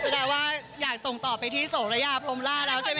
แปลว่าอยากส่งต่อไปที่โสระยาพรมล่าแล้วใช่ไหม